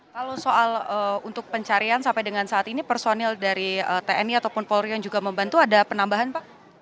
kalau soal untuk pencarian sampai dengan saat ini personil dari tni ataupun polri yang juga membantu ada penambahan pak